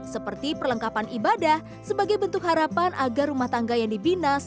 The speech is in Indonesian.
seperti perlengkapan ibadah sebagai bentuk harapan agar rumah tangga yang dibina selalu berjalan